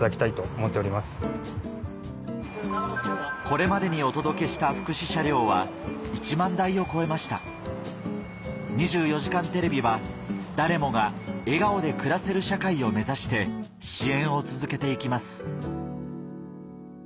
これまでにお届けした福祉車両は１万台を超えました『２４時間テレビ』は誰もが笑顔で暮らせる社会を目指して支援を続けて行きます